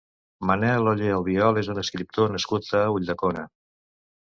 Manel Ollé Albiol és un escriptor nascut a Ulldecona.